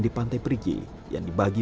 nanti hamba yang uncomfortable